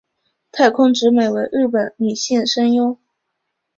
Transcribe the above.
大空直美为日本女性声优。